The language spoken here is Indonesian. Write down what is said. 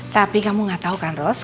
tapi kamu gak tau kan ros